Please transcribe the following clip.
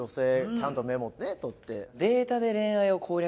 ちゃんとメモ取って。